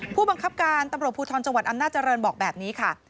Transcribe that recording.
ผู้บังคับการตำรวจภูทรจังหวัดอำนาจริงบอกแบบนี้ค่ะ